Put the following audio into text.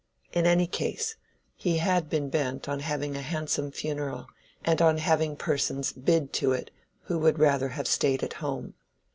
In any case, he had been bent on having a handsome funeral, and on having persons "bid" to it who would rather have stayed at home.